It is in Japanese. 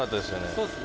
そうですね